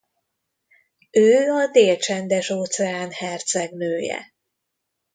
Ő a Dél-Csendes-óceán hercegnője.